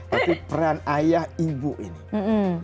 tapi peran ayah ibu ini